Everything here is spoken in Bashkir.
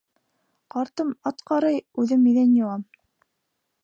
Ҡартым ат ҡарай, үҙем иҙән йыуам...